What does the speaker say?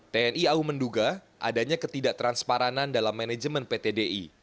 tni au menduga adanya ketidak transparanan dalam manajemen pt di